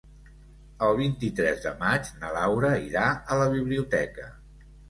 El vint-i-tres de maig na Laura irà a la biblioteca.